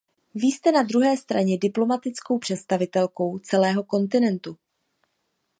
Vy jste na druhé straně diplomatickou představitelkou celého kontinentu.